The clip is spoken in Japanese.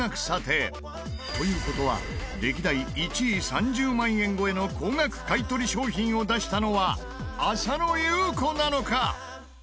という事は歴代１位３０万円超えの高額買取商品を出したのは浅野ゆう子なのか！？